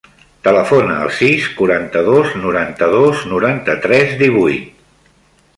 Telefona al sis, quaranta-dos, noranta-dos, noranta-tres, divuit.